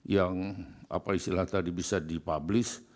yang apa istilah tadi bisa dipublish